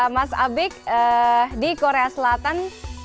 mas abik di korea selatan